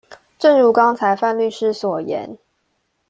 正如剛才范律師所言